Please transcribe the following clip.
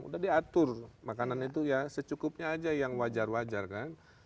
udah diatur makanan itu ya secukupnya aja yang wajar wajar kan